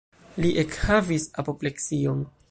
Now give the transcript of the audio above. Li ekhavis apopleksion.